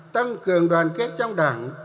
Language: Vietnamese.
tăng cường đoàn kết trong đảng